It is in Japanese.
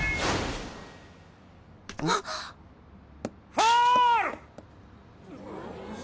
ファール！